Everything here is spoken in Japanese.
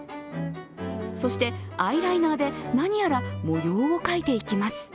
そしてアイライナーで何やら模様を描いていきます。